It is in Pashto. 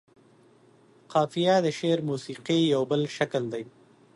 قافيه د شعر موسيقۍ يو بل شکل دى.